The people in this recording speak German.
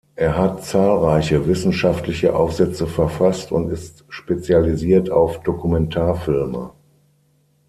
Er hat zahlreiche wissenschaftliche Aufsätze verfasst und ist spezialisiert auf Dokumentarfilme.